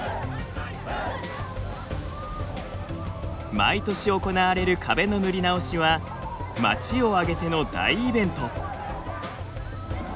毎年行われる壁の塗り直しは町を挙げての大イベント。